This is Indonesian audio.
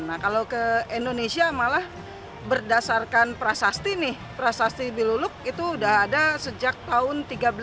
nah kalau ke indonesia malah berdasarkan prasasti nih prasasti biluluk itu sudah ada sejak tahun seribu tiga ratus lima puluh